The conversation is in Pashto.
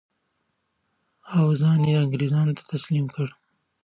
او ځان یې انګرېزانو ته تسلیم کړ.